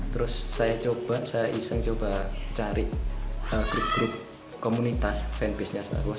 terus saya iseng mencoba mencari grup grup komunitas fanbase star wars